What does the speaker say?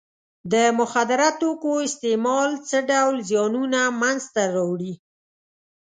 د مخدره توکو استعمال څه ډول زیانونه منځ ته راوړي.